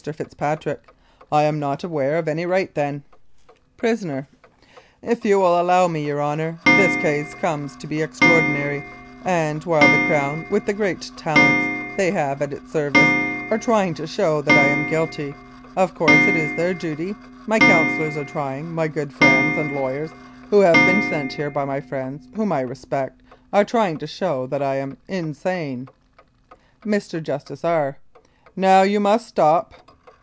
FITZPATRICK: I am not aware of any right then. 204 Louis Kiel: Executed for Treason PRISONER: If you will allow me, your Honour, this case comes to be extraordinary, and while the Crown, with the great talents they have at its service, are trying to show I am guilty of course, it is their duty my counsellors are trying my good friends and lawyers, who have been sent here by friends whom I respect are trying to show that I am insane Mr. JUSTICE R. : Now you must stop.